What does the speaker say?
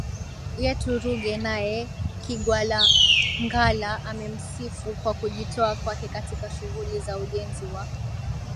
yetu Ruge Naye Kigwangalla amemsifu kwa kujitoa kwake katika shughuli za ujenzi wa